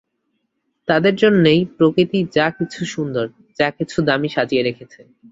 তাদের জন্যেই প্রকৃতি যা-কিছু সুন্দর, যা-কিছু দামি সাজিয়ে রেখেছে।